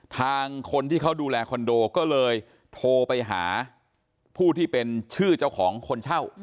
ทางคนที่เขาดูแลคอนโดก็เลยโทรไปหาผู้ที่เป็นชื่อเจ้าของคนเช่า